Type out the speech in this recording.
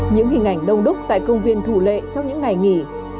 những hình ảnh đông đúc tại công viên thủ lệ trong những ngày nghỉ